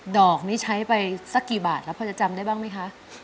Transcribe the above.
ดอกนี้ใช้ไปสักกี่บาทแล้วพอจะจำได้บ้างไหมคะ